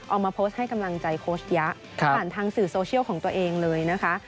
ออกมาโพสต์ให้กำลังใจโค้ชยะผ่านทางสื่อโซเชียลของตัวเองเลยนะคะ